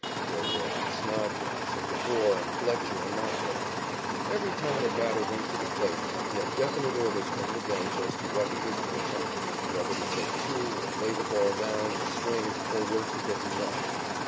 There were Snodgrass and Devore and Fletcher and Marquard. Every time a batter went to the plate, he had definite orders from the "bench" as to what he was to attempt whether to take two, or lay the ball down, or swing, or work the hit and run.